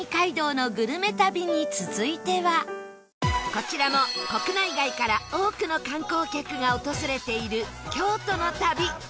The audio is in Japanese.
こちらも国内外から多くの観光客が訪れている京都の旅